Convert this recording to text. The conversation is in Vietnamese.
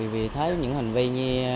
vì thấy những hành vi như